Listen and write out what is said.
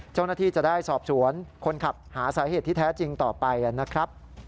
เจ้าหน้าที่จะได้สอบสวนคนขับหาสาเหตุที่แท้จริงต่อไปนะครับ